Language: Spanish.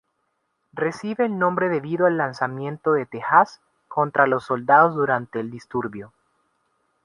Recibe el nombre debido al lanzamiento de tejas contra los soldados durante el disturbio.